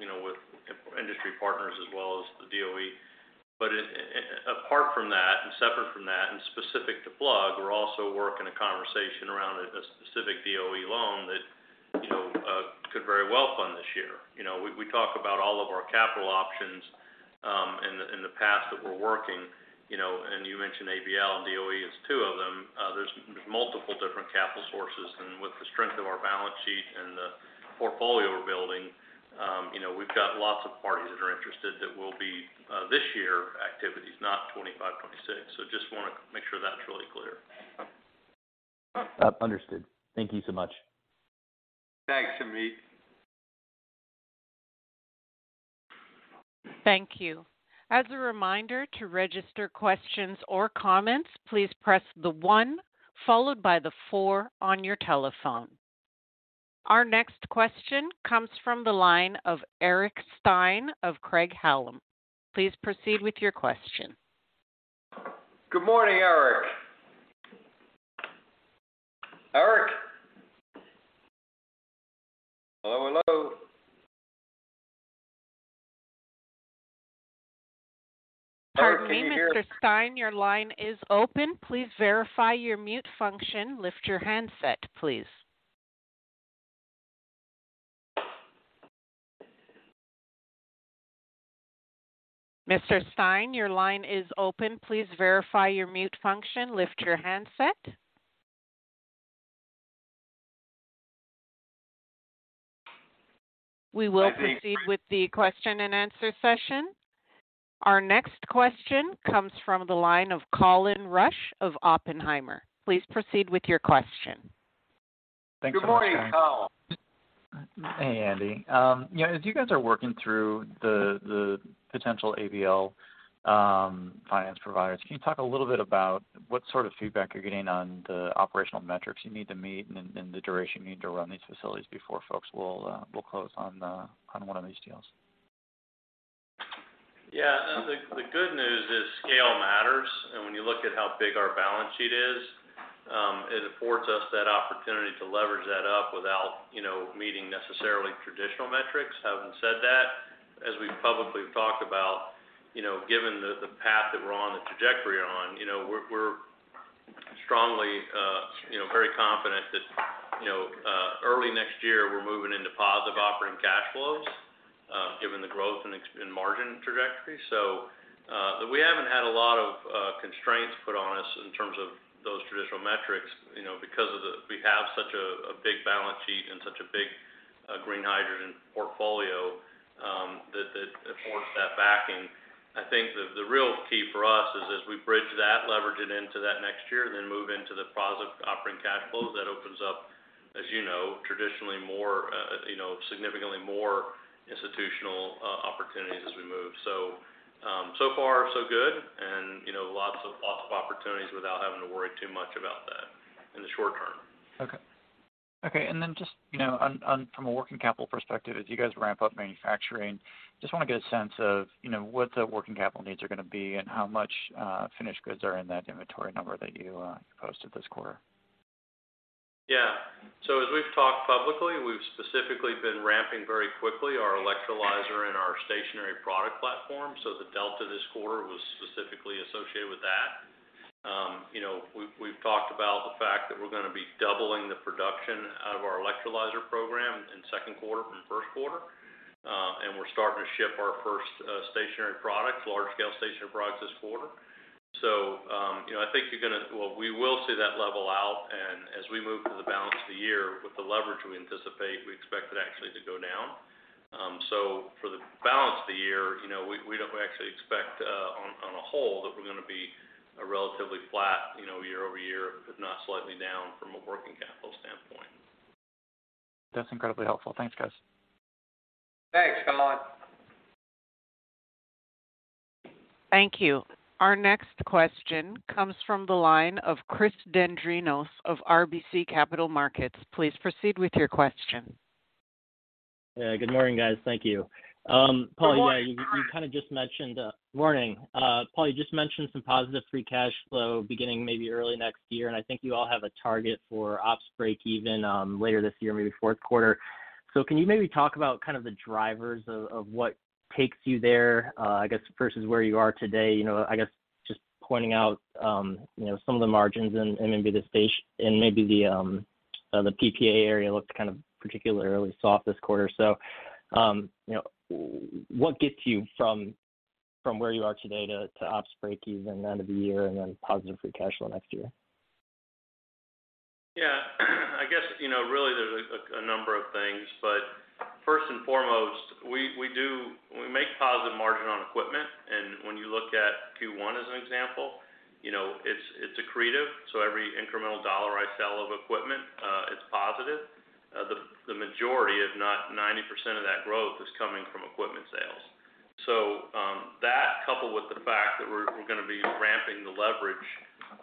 you know, with industry partners as well as the DOE. Apart from that, and separate from that, and specific to Plug, we're also working a conversation around a specific DOE loan that, you know, could very well fund this year. You know, we talk about all of our capital options in the past that we're working, you know, you mentioned ABL and DOE is two of them. There's multiple different capital sources. With the strength of our balance sheet and the portfolio we're building, you know, we've got lots of parties that are interested that will be this year activities, not 2025, 2026. Just wanna make sure that's really clear. Understood. Thank you so much. Thanks, Ameet. Thank you. As a reminder, to register questions or comments, please press the one followed by the four on your telephone. Our next question comes from the line of Eric Stine of Craig-Hallum. Please proceed with your question. Good morning, Eric. Eric? Hello, hello. Pardon me, Mr. Stine, your line is open. Please verify your mute function. Lift your handset, please. Mr. Stine, your line is open. Please verify your mute function. Lift your handset. I think- We will proceed with the question-and-answer session. Our next question comes from the line of Colin Rusch of Oppenheimer. Please proceed with your question. Good morning, Colin. Hey, Andy. Yeah, as you guys are working through the potential ABL finance providers, can you talk a little bit about what sort of feedback you're getting on the operational metrics you need to meet and then the duration you need to run these facilities before folks will close on one of these deals? The good news is scale matters. When you look at how big our balance sheet is, it affords us that opportunity to leverage that up without, you know, meeting necessarily traditional metrics. Having said that, as we've publicly talked about, you know, given the path that we're on, the trajectory we're on, you know, we're strongly, you know, very confident that, you know, early next year, we're moving into positive operating cash flows, given the growth and margin trajectory. We haven't had a lot of constraints put on us in terms of those traditional metrics, you know. We have such a big balance sheet and such a big green hydrogen portfolio, that affords that backing. I think the real key for us is as we bridge that, leverage it into that next year, then move into the positive operating cash flows, that opens up, as you know, traditionally more, you know, significantly more institutional opportunities as we move. So far so good and, you know, lots of opportunities without having to worry too much about that in the short term. Okay. Then just, you know, on from a working capital perspective, as you guys ramp up manufacturing, just wanna get a sense of, you know, what the working capital needs are gonna be and how much finished goods are in that inventory number that you posted this quarter? As we've talked publicly, we've specifically been ramping very quickly our electrolyzer and our stationary product platform. The delta this quarter was specifically associated with that. you know, we've talked about the fact that we're gonna be doubling the production out of our electrolyzer program in second quarter from first quarter. We're starting to ship our first stationary products, large scale stationary products this quarter. you know, Well, we will see that level out. As we move through the balance of the year with the leverage we anticipate, we expect it actually to go down. For the balance of the year, we don't actually expect, on a whole that we're gonna be a relatively flat, year-over-year, if not slightly down from a working capital standpoint. That's incredibly helpful. Thanks, guys. Thanks. Come on. Thank you. Our next question comes from the line of Chris Dendrinos of RBC Capital Markets. Please proceed with your question. Yeah, good morning, guys. Thank you. Good morning, Chris. Yeah, you kinda just mentioned, Morning. Paul, you just mentioned some positive free cash flow beginning maybe early next year, and I think you all have a target for ops breakeven later this year, maybe fourth quarter. Can you maybe talk about kind of the drivers of what takes you there, I guess versus where you are today? You know, I guess just pointing out, you know, some of the margins and maybe the PPA area looks kind of particularly soft this quarter. You know, what gets you from where you are today to ops breakeven end of the year and then positive free cash flow next year? Yeah. I guess, you know, really there's a number of things, but first and foremost, we make positive margin on equipment. When you look at Q1 as an example, you know, it's accretive, so every incremental dollar I sell of equipment, it's positive. The majority, if not 90% of that growth is coming from equipment sales. That coupled with the fact that we're gonna be ramping the leverage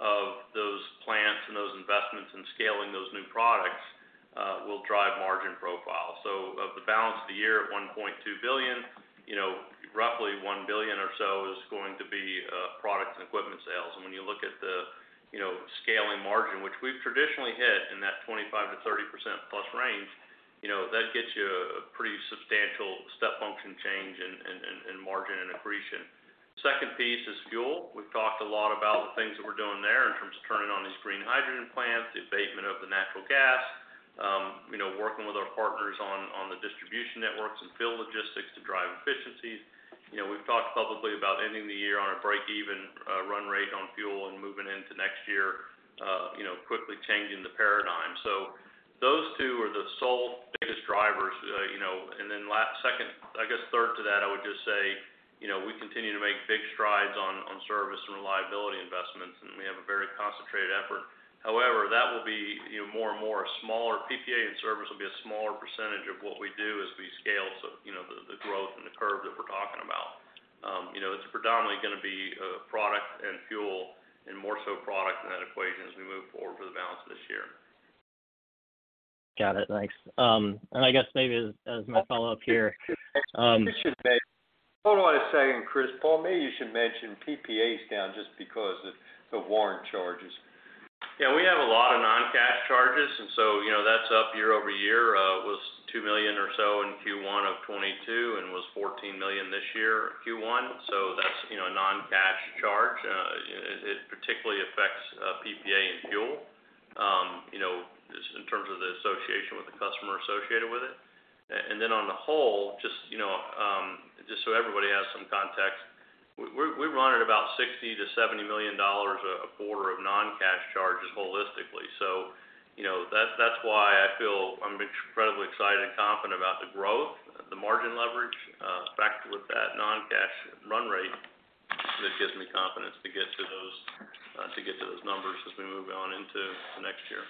of those plants and those investments and scaling those new products, will drive margin profile. Of the balance of the year at $1.2 billion, you know, roughly $1 billion or so is going to be products and equipment sales. When you look at the, you know, scaling margin, which we've traditionally hit in that 25%-30%+ range, you know, that gets you a pretty substantial step function change in margin and accretion. Second piece is fuel. We've talked a lot about the things that we're doing there in terms of turning on these green hydrogen plants, the abatement of the natural gas, you know, working with our partners on the distribution networks and field logistics to drive efficiencies. You know, we've talked publicly about ending the year on a break even run rate on fuel and moving into next year, you know, quickly changing the paradigm. Those two are the sole biggest drivers, you know. Last, second, I guess third to that, I would just say, you know. Continue to make big strides on service and reliability investments, and we have a very concentrated effort. However, that will be, you know, more and more a smaller PPA and service will be a smaller percentage of what we do as we scale. You know, the growth and the curve that we're talking about. You know, it's predominantly gonna be product and fuel, and more so product in that equation as we move forward for the balance of this year. Got it. Thanks. I guess maybe as my follow-up here. You should hold on a second, Chris. Paul, maybe you should mention PPA is down just because of the warrant charges. Yeah, we have a lot of non-cash charges. You know, that's up year-over-year, was $2 million or so in Q1 2022 and was $14 million this year, Q1. That's, you know, a non-cash charge. It particularly affects PPA and fuel, you know, just in terms of the association with the customer associated with it. On the whole, just, you know, just so everybody has some context, we're running about $60 million-$70 million a quarter of non-cash charges holistically. You know, that's why I feel I'm incredibly excited and confident about the growth, the margin leverage, backed with that non-cash run rate that gives me confidence to get to those, to get to those numbers as we move on into the next year.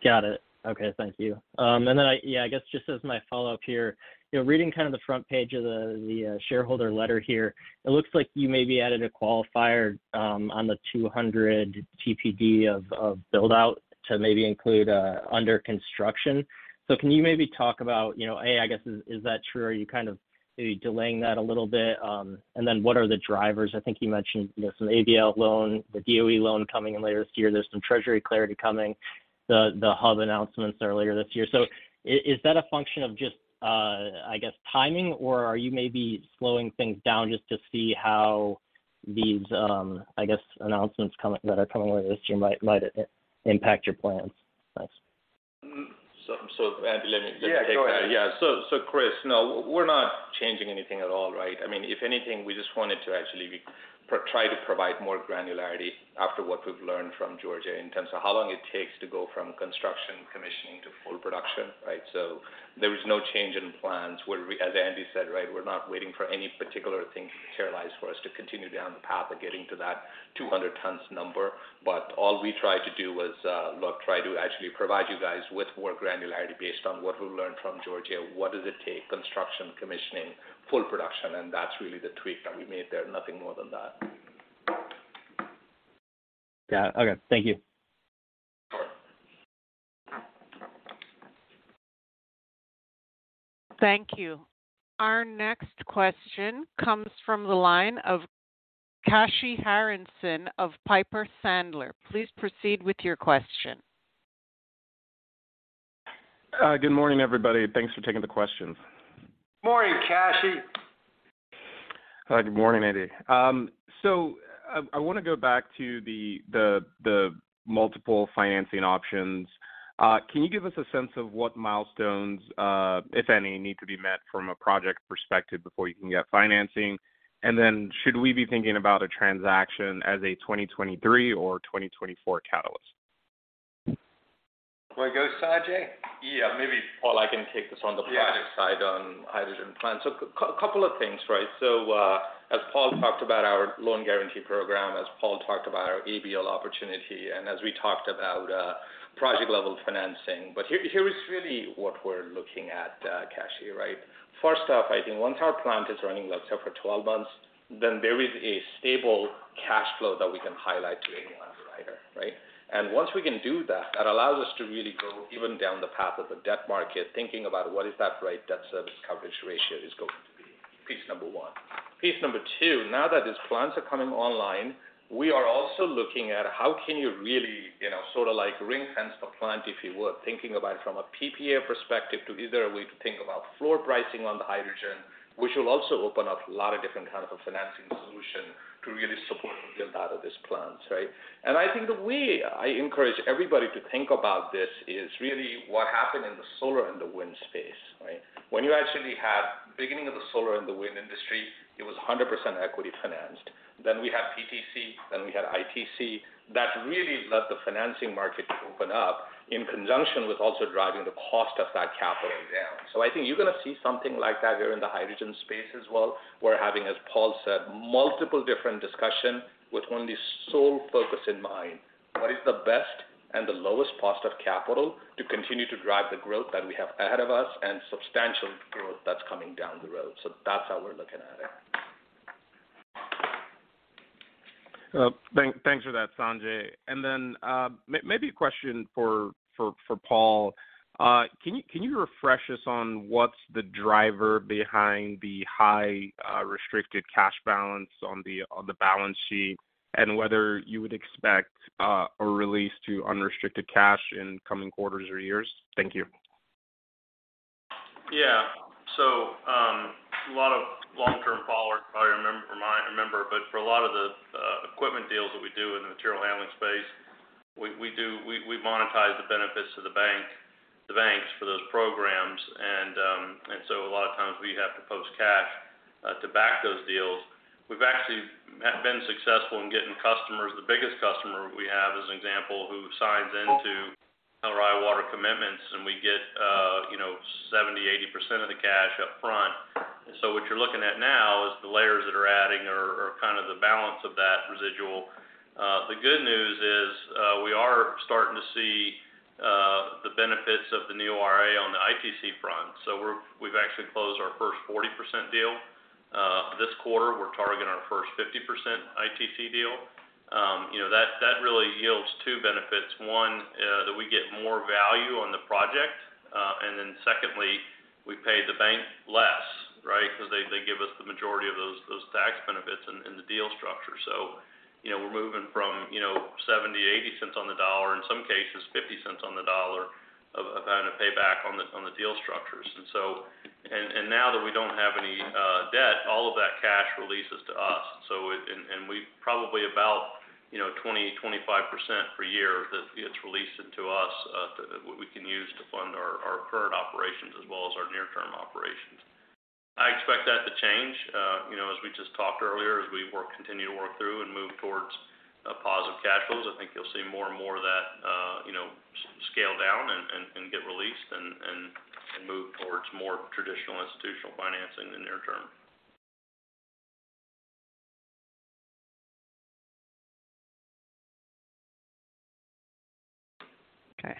Got it. Okay. Thank you. Then yeah, I guess just as my follow-up here, you know, reading kind of the front page of the shareholder letter here, it looks like you maybe added a qualifier on the 200 TPD of build out to maybe include under construction. Can you maybe talk about, you know, A, I guess, is that true? Are you kind of maybe delaying that a little bit? Then what are the drivers? I think you mentioned, you know, some ABL loan, the DOE loan coming in later this year. There's some treasury clarity coming, the hub announcements earlier this year. Is that a function of just, I guess, timing, or are you maybe slowing things down just to see how these, I guess, announcements that are coming later this year might impact your plans? Thanks. Andy, let me take that. Yeah, go ahead. Chris, no, we're not changing anything at all, right? I mean, if anything, we just wanted to actually try to provide more granularity after what we've learned from Georgia in terms of how long it takes to go from construction, commissioning to full production, right? There is no change in plans. as Andy said, right, we're not waiting for any particular thing to materialize for us to continue down the path of getting to that 200 tons number. All we tried to do was try to actually provide you guys with more granularity based on what we learned from Georgia. What does it take, construction, commissioning, full production, and that's really the tweak that we made there. Nothing more than that. Yeah. Okay. Thank you. Thank you. Our next question comes from the line of Kashy Harrison of Piper Sandler. Please proceed with your question. Good morning, everybody. Thanks for taking the questions. Morning, Kashy. Good morning, Andy. I wanna go back to the multiple financing options. Can you give us a sense of what milestones, if any, need to be met from a project perspective before you can get financing? Should we be thinking about a transaction as a 2023 or 2024 catalyst? Want to go, Sanjay? Yeah. Maybe, Paul, I can take this on the product side on hydrogen plans. Couple of things, right? As Paul talked about our loan guarantee program, as Paul talked about our ABL opportunity, and as we talked about, project level financing. Here, here is really what we're looking at, Kashy, right? First off, I think once our plant is running, let's say for 12 months, then there is a stable cash flow that we can highlight to any lender, right? Once we can do that allows us to really go even down the path of the debt market, thinking about what is that right debt service coverage ratio is going to be, piece number one. Piece two, now that these plants are coming online, we are also looking at how can you really, you know, sort of like ring fence the plant, if you would, thinking about it from a PPA perspective to is there a way to think about floor pricing on the hydrogen, which will also open up a lot of different kinds of financing solution to really support the build out of these plants, right? I think the way I encourage everybody to think about this is really what happened in the solar and the wind space, right? When you actually had beginning of the solar and the wind industry, it was 100% equity financed. We had PTC, then we had ITC. That really let the financing market to open up in conjunction with also driving the cost of that capital down. I think you're gonna see something like that here in the hydrogen space as well. We're having, as Paul said, multiple different discussion with only sole focus in mind. What is the best and the lowest cost of capital to continue to drive the growth that we have ahead of us and substantial growth that's coming down the road. That's how we're looking at it. Thanks for that, Sanjay. Maybe a question for Paul. Can you refresh us on what's the driver behind the high restricted cash balance on the balance sheet and whether you would expect a release to unrestricted cash in coming quarters or years? Thank you. A lot of long-term followers probably remember, for a lot of the equipment deals that we do in the material handling space, we monetize the benefits to the banks for those programs. A lot of times we have to post cash to back those deals. We've actually been successful in getting customers. The biggest customer we have as an example, who signs into. early order commitments. We get, you know, 70%, 80% of the cash up front. What you're looking at now is the layers that are adding are kind of the balance of that residual. The good news is, we are starting to see the benefits of the new IRA on the ITC front. We've actually closed our first 40% deal. This quarter, we're targeting our first 50% ITC deal. You know, that really yields two benefits. One, that we get more value on the project, and then secondly, we pay the bank less, right? 'Cause they give us the majority of those tax benefits in the deal structure. You know, we're moving from, you know, $0.70, $0.80 on the dollar, in some cases $0.50 on the dollar of kind of payback on the deal structures. Now that we don't have any debt, all of that cash releases to us. We've probably about, you know, 20%-25% per year that it's released into us, that we can use to fund our current operations as well as our near-term operations. I expect that to change, you know, as we just talked earlier, as we continue to work through and move towards positive cash flows. I think you'll see more and more of that, you know, scale down and get released and move towards more traditional institutional financing in the near term. Okay.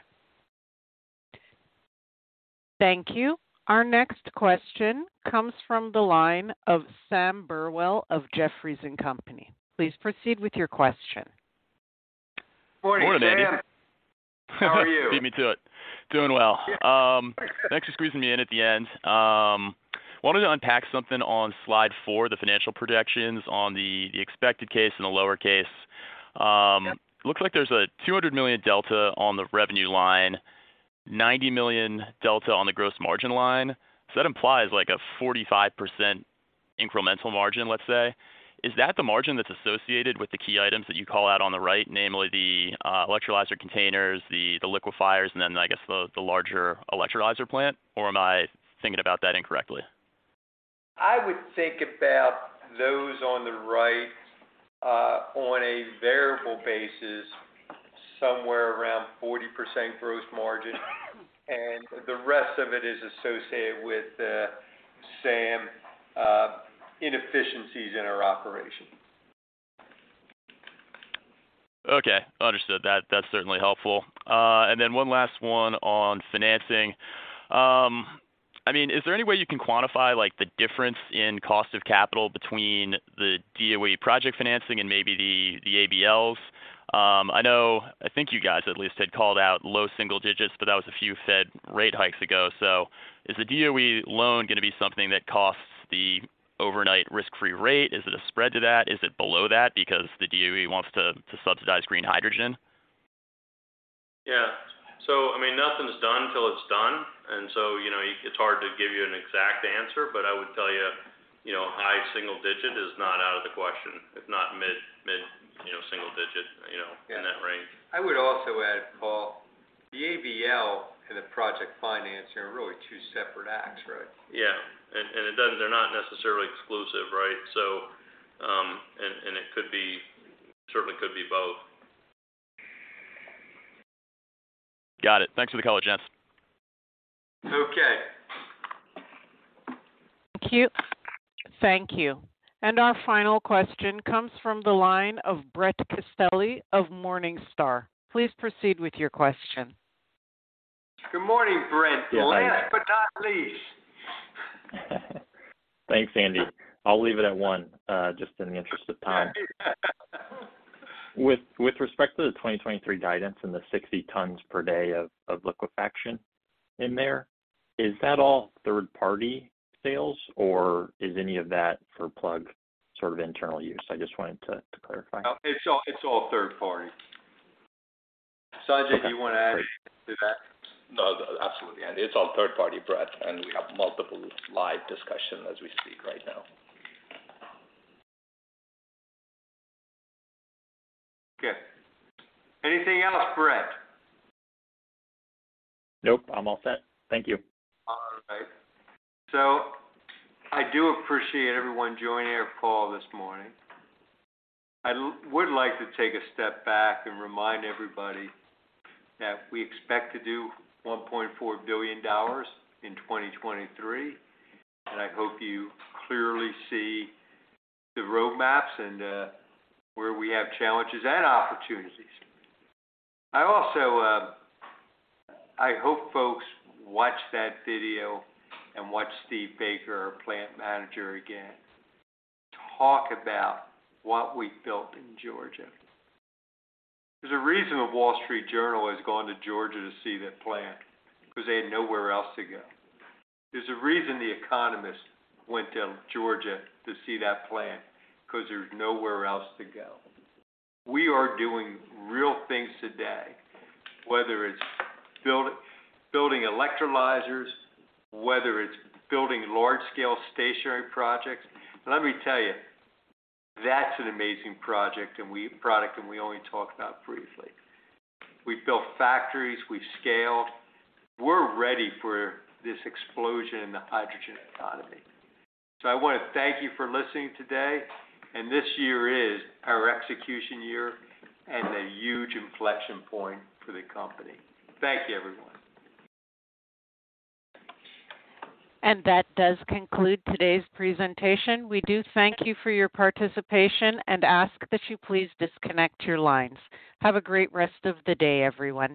Thank you. Our next question comes from the line of Sam Burwell of Jefferies & Company. Please proceed with your question. Morning, Sam. How are you? Beat me to it. Doing well. Thanks for squeezing me in at the end. Wanted to unpack something on slide four, the financial projections on the expected case and the lower case. Yep. Looks like there's a $200 million delta on the revenue line, $90 million delta on the gross margin line. That implies like a 45% incremental margin, let's say. Is that the margin that's associated with the key items that you call out on the right, namely the electrolyzer containers, the liquefiers, and then I guess the larger electrolyzer plant? Or am I thinking about that incorrectly? I would think about those on the right, on a variable basis, somewhere around 40% gross margin, and the rest of it is associated with, Sam, inefficiencies in our operations. Okay. Understood. That's certainly helpful. One last one on financing. I mean, is there any way you can quantify, like, the difference in cost of capital between the DOE project financing and maybe the ABLs? I think you guys at least had called out low single digits, that was a few Fed rate hikes ago. Is the DOE loan gonna be something that costs the overnight risk-free rate? Is it a spread to that? Is it below that because the DOE wants to subsidize green hydrogen? Yeah. I mean, nothing's done till it's done, you know, it's hard to give you an exact answer. I would tell you know, high single-digit is not out of the question, if not mid single-digit, you know, in that range. I would also add, Paul, the ABL and the project financing are really two separate acts, right? Yeah. They're not necessarily exclusive, right? It could be, certainly could be both. Got it. Thanks for the color, gents. Okay. Thank you. Thank you. Our final question comes from the line of Brett Castelli of Morningstar. Please proceed with your question. Good morning, Brett. Yeah. Hi. Last but not least. Thanks, Andy. I'll leave it at one, just in the interest of time. With respect to the 2023 guidance and the 60 tons per day of liquefaction in there, is that all third-party sales or is any of that for Plug sort of internal use? I just wanted to clarify. It's all third party. Sanjay, do you wanna add to that? No, absolutely, Andy. It's all third party, Brett. We have multiple live discussions as we speak right now. Okay. Anything else, Brett? Nope. I'm all set. Thank you. All right. I do appreciate everyone joining our call this morning. I would like to take a step back and remind everybody that we expect to do $1.4 billion in 2023, and I hope you clearly see the roadmaps and where we have challenges and opportunities. I also, I hope folks watch that video and watch Steve Baker, our Plant Manager, again, talk about what we built in Georgia. There's a reason the Wall Street Journal has gone to Georgia to see that plant, because they had nowhere else to go. There's a reason The Economist went to Georgia to see that plant, because there's nowhere else to go. We are doing real things today, whether it's building electrolyzers, whether it's building large scale stationary projects. Let me tell you, that's an amazing project and product that we only talked about briefly. We've built factories, we've scaled. We're ready for this explosion in the hydrogen economy. I wanna thank you for listening today. This year is our execution year and a huge inflection point for the company. Thank you, everyone. That does conclude today's presentation. We do thank you for your participation and ask that you please disconnect your lines. Have a great rest of the day, everyone.